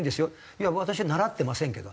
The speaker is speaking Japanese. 「いや私は習ってませんけど」。